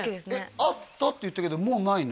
あったって言ったけどもうないの？